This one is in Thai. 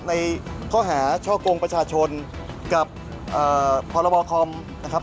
ในข้อหาช่อกงประชาชนกับพรบคอมนะครับ